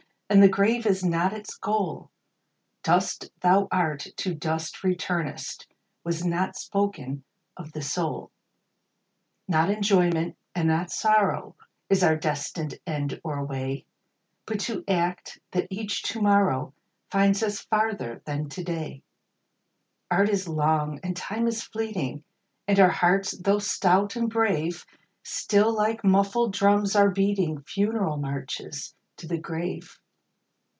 And the grave is not its goal ; Dust thou art, to dust returnest, Was not spoken of the soul. VOICES OF THE NIGHT. Not enjoyment, and not sorrow, Is our destined end or way ; But to act, that each to morrow Find us farther than to day. Art is long, and Time is fleeting, And our hearts, though stout and brave, Still, like muffled drums, are beating Funeral marches to the grave.